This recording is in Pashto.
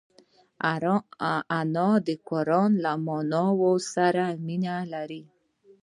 انا د قران له معناوو سره مینه لري